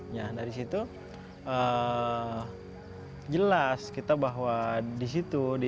nah dari situ jelas kita bahwa disitu dituntutan ini